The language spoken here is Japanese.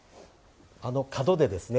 あの角でですね